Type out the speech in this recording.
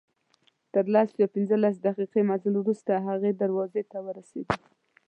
تر لس یا پنځلس دقیقې مزل وروسته هغې دروازې ته ورسېدو.